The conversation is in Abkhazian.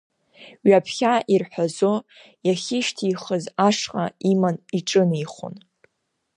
Ҩаԥхьа ирҳәазо иахьышьҭихыз ашҟа иман иҿынеихон.